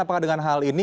apakah dengan hal ini